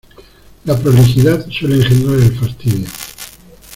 La prolijidad suele engendrar el fastidio.